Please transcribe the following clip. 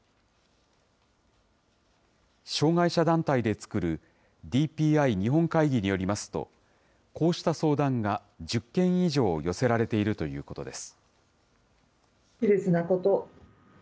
障害者団体で作るＤＰＩ日本会議によりますと、こうした相談が１０件以上寄せられているということです。